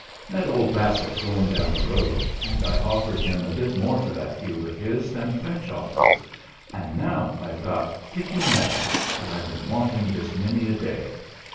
"Met old Bassett going down the road, and I offered him a bit more for that field of his than French offered, and now I've got thicky meadow that I've been wanting this many a day.